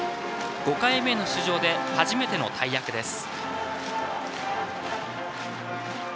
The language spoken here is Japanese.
５回目の出場で初めての大役です。